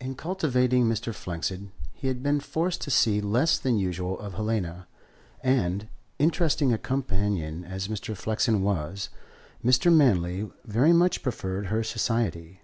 In cultivating Mr. Flexen he had been forced to see less than usual of Helena, and, interesting a companion as Mr. Flexen was, Mr. Manley very much preferred her society.